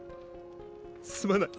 すまない！